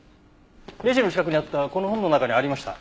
レジの近くにあったこの本の中にありました。